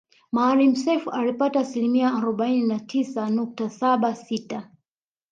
Maalim Seif alipata asilimia arobaini na tisa nukta saba sita